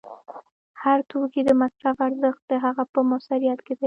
د هر توکي د مصرف ارزښت د هغه په موثریت کې دی